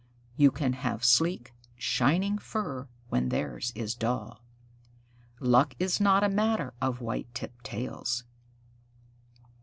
You can have sleek, shining fur when theirs is dull. Luck is not a matter of white tipped tails."